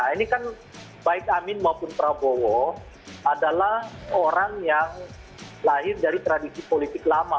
ini kan baik amin maupun prabowo adalah orang yang lahir dari tradisi politik lama